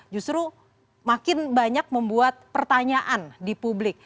justru makin banyak membuat pertanyaan di publik